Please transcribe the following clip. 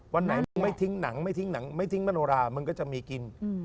วันไหนไม่ทิ้งหนังไม่ทิ้งมโนรามันก็จะมีกิน